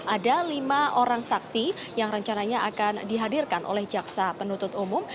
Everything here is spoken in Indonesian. ada lima orang saksi yang rencananya akan dihadirkan oleh jaksa penuntut umum